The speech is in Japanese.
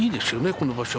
この場所。